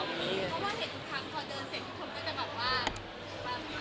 เพราะว่าเห็นทุกครั้งพอเดินเสร็จทุกคนก็จะแบบว่า